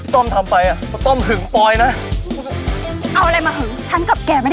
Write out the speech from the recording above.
ต้องหยอด